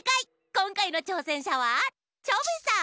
こんかいのちょうせんしゃはチョビさん。